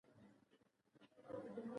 د کائنات شل فیصده تاریک ماده ده.